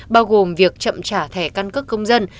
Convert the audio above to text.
bao gồm việc chậm trả thẻ căn cước công dân